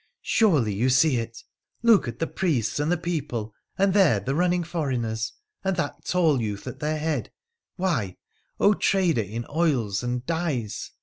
' Surely, you see it ! Look at the priests and the people, and there the running foreigners and that tall youth at their head — why, trader in oils and dies